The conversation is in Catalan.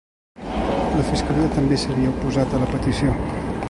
La fiscalia també s’havia oposat a la petició.